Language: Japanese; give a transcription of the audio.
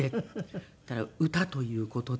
そしたら「歌」という事で。